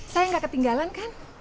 saya gak ketinggalan kan